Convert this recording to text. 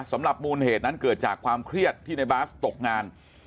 มูลเหตุนั้นเกิดจากความเครียดที่ในบาสตกงาน